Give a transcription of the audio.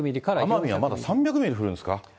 奄美はまだ３００ミリ降るんですか。